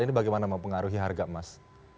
ini bagaimana mempengaruhi harga emas